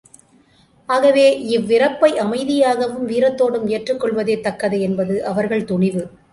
ஆகவே, இவ்விறப்பை அமைதியாகவும் வீரத்தோடும் ஏற்றுக்கொள்வதே தக்கது என்பது அவர்கள் துணிவு.